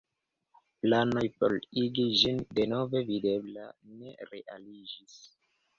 Planoj por igi ĝin denove videbla ne realiĝis.